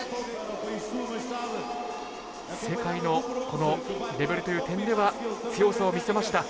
世界の、このレベルという点では強さを見せました。